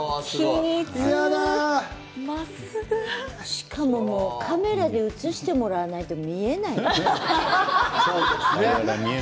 しかもカメラで映してもらわないと見えない。